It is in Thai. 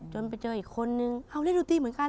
ไปเจออีกคนนึงเอาเล่นดนตรีเหมือนกัน